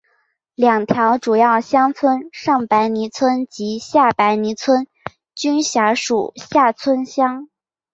两条主要乡村上白泥村及下白泥村均辖属厦村乡。